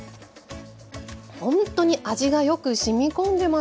本当に味がよくしみ込んでます。